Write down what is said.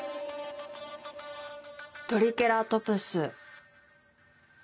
・「トリケラトプス」